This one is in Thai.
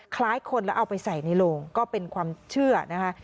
คล้ายคนแล้วเอาไปใส่ในโลงก็เป็นความเชื่อนะคะ